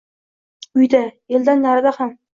Uyda, eldan narida ham